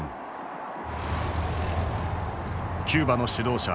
キューバの指導者